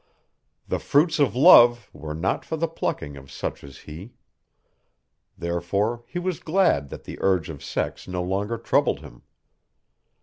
The fruits of love were not for the plucking of such as he. Therefore he was glad that the urge of sex no longer troubled him.